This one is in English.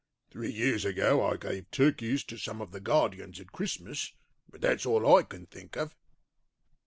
Three years ago I gave turkeys to some of the guardians at Christmas, but that's all I can think of.